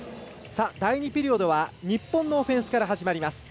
第２ピリオドは日本のオフェンスから。